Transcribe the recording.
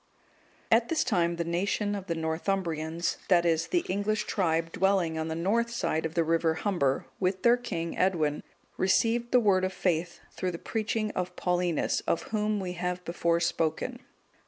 ] At this time the nation of the Northumbrians, that is, the English tribe dwelling on the north side of the river Humber, with their king, Edwin,(206) received the Word of faith through the preaching of Paulinus,(207) of whom we have before spoken.